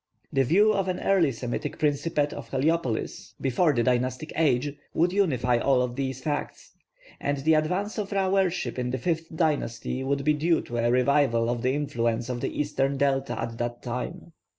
The view of an early Semitic principate of Heliopolis, before the dynastic age, would unify all of these facts: and the advance of Ra worship in the fifth dynasty would be due to a revival of the influence of the eastern Delta at that time.